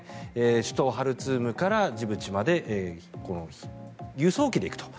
首都ハルツームからジブチまで輸送機で行くと。